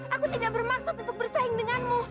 aku tidak bermaksud untuk bersaing denganmu